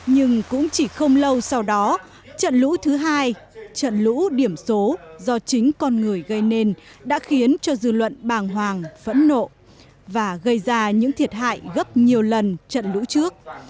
nhưng cũng chỉ không lâu sau đó trận lũ thứ hai trận lũ điểm số do chính con người gây nên đã khiến cho dư luận bàng hoàng phẫn nộ và gây ra những thiệt hại gấp nhiều lần trận lũ trước